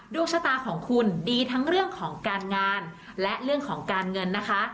ดวงชะตาของคุณดีทั้งเรื่องของการงานและเรื่องของการเงินนะคะ